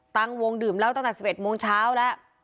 ตั้งวงดื่มเหล้าตั้งแต่๑๑โมงเช้าแล้ว